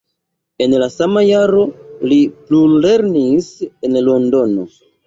En la sama jaro li plulernis en Londono.